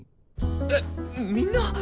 えみんな！